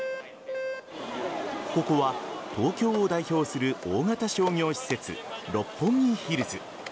ここは東京を代表する大型商業施設六本木ヒルズ。